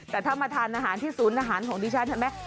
แต่ถ้ามาทานอาหารที่ศูนย์อาหารของดิฉันเห็นไหม